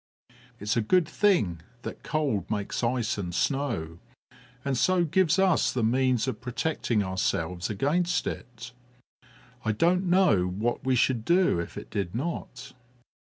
"It's a good thing that cold makes ice and snow, and so gives us the means of protecting ourselves against it. I don't know what we should do if it did not."